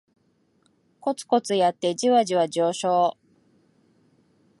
コツコツやってジワジワ上昇